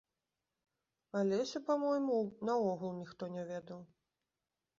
Алесю, па-мойму, наогул ніхто не ведаў.